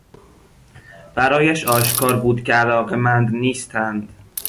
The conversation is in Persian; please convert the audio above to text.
برایش آشکار بود که علاقمند نیستند.